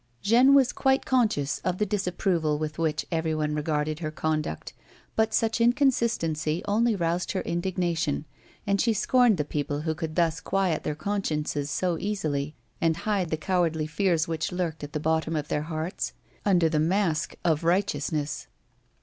Jeanne was quite conscious of the disapproval with which everyone regarded her conduct, but such inconsistency only roused her indignation, and she scorned the people who could thus quiet their consciences so easily, and hide the cowardly fears which lurked at the bottom of their hearts under the mask of righteousness.